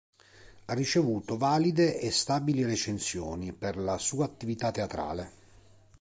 Ha ricevuto valide e stabili recensioni per la sua attività teatrale.